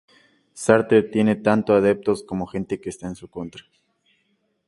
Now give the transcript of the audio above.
Sartre tiene tanto adeptos como gente que está en su contra.